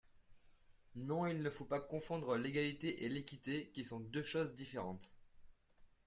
Non, il ne faut pas confondre l’égalité et l’équité, qui sont deux choses différentes.